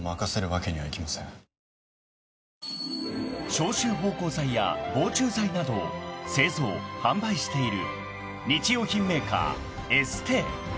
［消臭芳香剤や防虫剤などを製造・販売している日用品メーカーエステー］